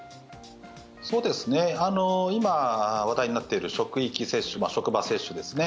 今話題になっている職域接種、職場接種ですね。